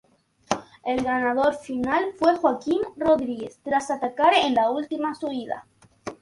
El ganador final fue Joaquim Rodríguez tras atacar en la última subida.